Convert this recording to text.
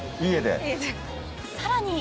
［さらに］